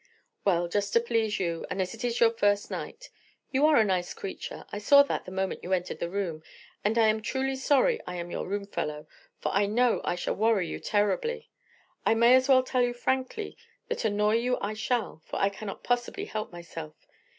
"Well, just to please you, and as it is your first night. You are a nice creature. I saw that the moment you entered the room, and I am truly sorry I am your roomfellow, for I know I shall worry you terribly. I may as well tell you frankly that annoy you I shall, for I cannot possibly help myself.